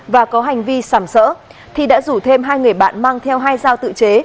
và có hành vi sảm sỡ thi đã rủ thêm hai người bạn mang theo hai dao tự chế